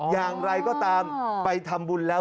อย่างไรก็ตามไปทำบุญแล้ว